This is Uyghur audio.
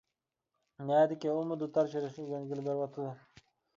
-نەدىكى ئۇمۇ دۇتار چېلىشنى ئۆگەنگىلى بېرىۋاتىدۇ.